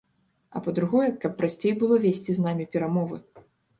А па-другое, каб прасцей было весці з намі перамовы.